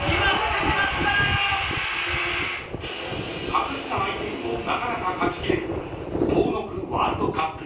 ［格下相手にもなかなか勝ちきれず遠のくワールドカップ］